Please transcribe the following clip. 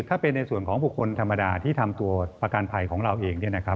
ถ้าเป็นในส่วนของบุคคลธรรมดาที่ทำตัวประกันภัยของเราเอง